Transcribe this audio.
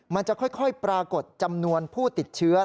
มันจะค่อยปรากฏจำนวนผู้ติดเชื้อ